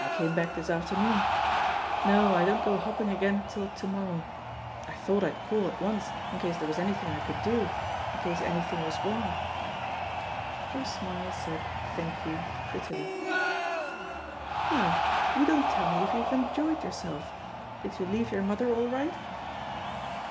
"I came back this afternoon. No, I don't go hopping again till to morrow. I thought I'd call at once, in case there was anjrthing I could do — ^in case anything was wrong." Her smile said *'Thank you" prettily. ..• "Well, you don't tell me if you've enjoyed your self? Did you leave your mother all right?"